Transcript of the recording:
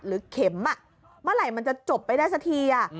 เข็มเมื่อไหร่มันจะจบไปได้สักที